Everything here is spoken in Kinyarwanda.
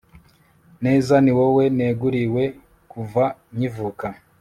neza, ni wowe neguriwe kuva nkivuka